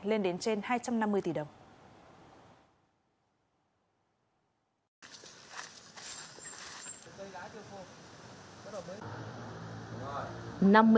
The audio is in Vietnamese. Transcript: lên đến trên hai trăm năm mươi tỷ đồng